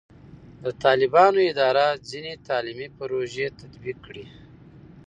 د طالبانو اداره ځینې تعلیمي پروژې تطبیق کړي.